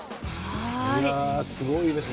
すごいですね。